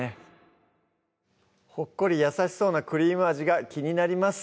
ほっこり優しそうなクリーム味が気になります